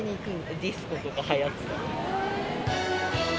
ディスコとかはやってた。